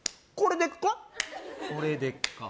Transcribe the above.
これでっか？